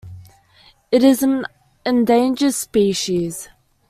It is an endangered species.